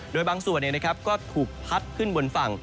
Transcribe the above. โดยบางส่วนก็ถูกพัดขึ้นบนฝั่ง